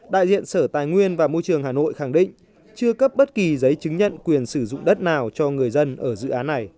đại diện sở tài nguyên và môi trường hà nội khẳng định chưa cấp bất kỳ giấy chứng nhận quyền sử dụng đất nào cho người dân ở dự án này